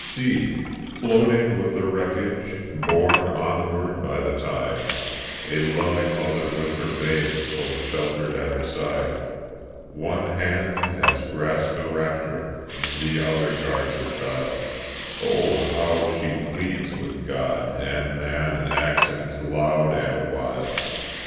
See, floating with the wreckage, borne onward by the tide, A loving mother with her babe close sheltered at her side; One hand has grasped a rafter, the other guards her child; Oh, how she pleads with God and man in accents loud and wild!